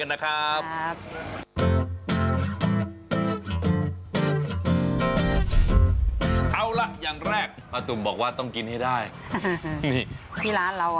ที่ร้านเราจำบริการแกะให้แกะให้ฟรี